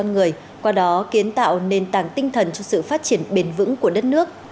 văn hóa đóng vai trò kiến tạo nền tảng tinh thần cho sự phát triển bền vững của đất nước